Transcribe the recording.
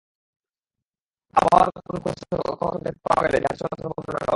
কিন্তু আবহাওয়ার কোনো সতর্ক সংকেত পাওয়া গেলে জাহাজ চলাচল বন্ধ রাখা হবে।